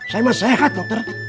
saya masih sehat dokter